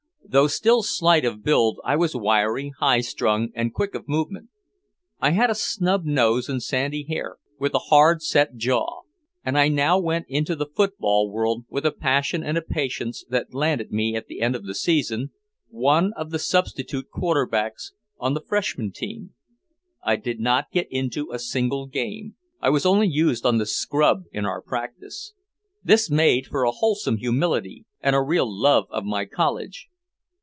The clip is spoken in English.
Though still slight of build I was wiry, high strung and quick of movement. I had a snub nose and sandy hair, and I was tough, with a hard set jaw. And I now went into the football world with a passion and a patience that landed me at the end of the season one of the substitute quarterbacks on the freshman team. I did not get into a single game, I was only used on the "scrub" in our practice. This made for a wholesome humility and a real love of my college.